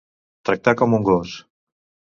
Tractar com un gos.